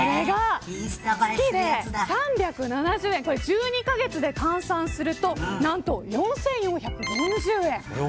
月で３７０円１２カ月で換算すると何と４４４０円。